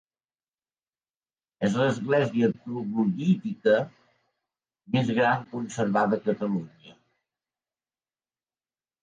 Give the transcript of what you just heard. És l'església troglodítica més gran conservada a Catalunya.